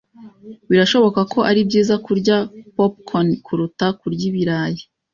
Birashoboka ko ari byiza kurya popcorn kuruta kurya ibirayi.